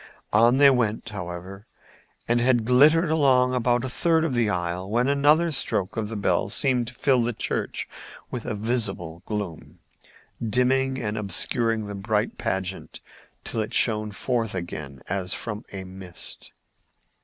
On they went, however, and had glittered along about a third of the aisle, when another stroke of the bell seemed to fill the church with a visible gloom, dimming and obscuring the bright pageant till it shone forth again as from a mist.